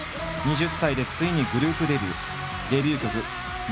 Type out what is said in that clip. ２０歳でついにグループデビュー。